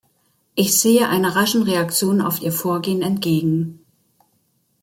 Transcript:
Ich sehe einer raschen Reaktion auf Ihr Vorgehen entgegen.